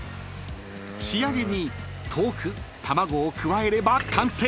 ［仕上げに豆腐卵を加えれば完成］